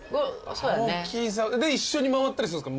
で一緒に回ったりするんすか？